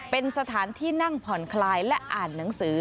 เป็นสถานที่นั่งผ่อนคลายและอ่านหนังสือ